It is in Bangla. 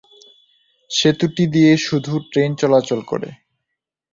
সেতুটি দিয়ে শুধু ট্রেন চলাচল করে।